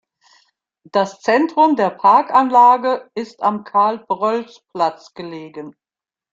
Das Zentrum der Parkanlage ist am Karl-Prölß-Platz gelegen.